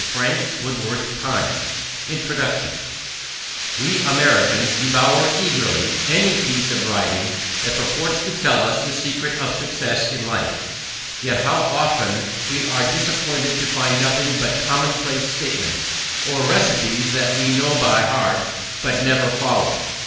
Franklin's signature] INTRODUCTION We Americans devour eagerly any piece of writing that purports to tell us the secret of success in life; yet how often we are disappointed to find nothing but commonplace statements, or receipts that we know by heart but never follow.